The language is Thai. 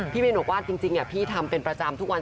พี่บินบอกว่าจริงพี่ทำเป็นประจำทุกวัน